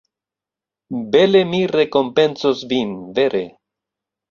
Bele mi rekompencos vin, vere!